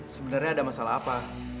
sebenernya ada masalah apa